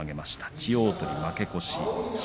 千代鳳、負け越しです。